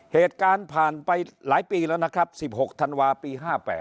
เหตุการณ์ผ่านไปหลายปีแล้วนะครับ๑๖ธันวาปี๕๘